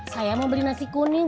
saya mau beli nasi kuning